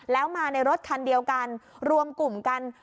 แล้วมาในรถคันเดียวกันรวมกลุ่มกัน